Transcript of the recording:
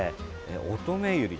オトメユリ。